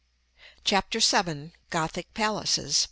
CHAPTER VII. GOTHIC PALACES.